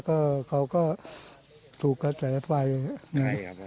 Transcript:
ที่เขาก็ถูกแขดของไข่